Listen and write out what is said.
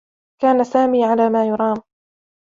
كان سامي على ما يُرام.